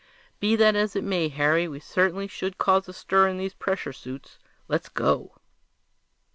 "Be that as it may, Harry, we certainly should cause a stir in these pressure suits. Let's go!"